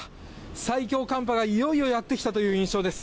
最強寒波がいよいよやってきたという印象です。